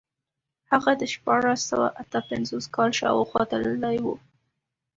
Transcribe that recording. هغه د شپاړس سوه اته پنځوس کال شاوخوا تللی و.